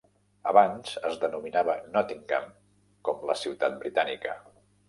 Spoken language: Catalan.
Abans es denominava Nottingham, com la ciutat britànica.